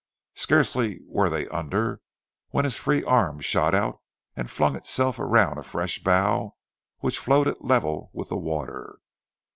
Scarcely were they under when his free arm shot out and flung itself round a fresh bough which floated level with the water.